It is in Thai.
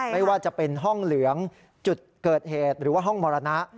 ไม่ว่าจะเป็นห้องเหลืองจุดเกิดเหตุหรือว่าห้องมรณะ